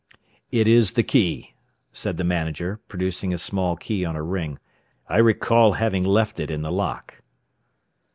"It is the key," said the manager, producing a small key on a ring. "I recall having left it in the lock."